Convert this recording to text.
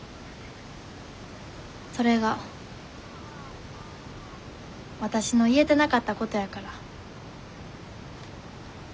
それがわたしの言えてなかったことやから。